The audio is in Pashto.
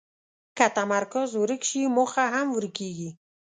که تمرکز ورک شي، موخه هم ورکېږي.